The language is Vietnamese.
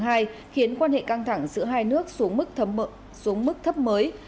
khiến quan hệ căng thẳng giữa hai nước xuống mức thấp mới